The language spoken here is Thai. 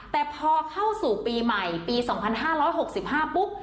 แต่พอเข้าสู่ปีใหม่ปีสองพันห้าร้อยหกสิบห้าปุ๊บ